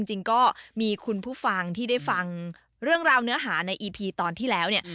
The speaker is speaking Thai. จริงก็มีคุณผู้ฟังที่ได้ฟังเรื่องราวเนื้อหาในอีพีตอนที่แล้วเนี่ย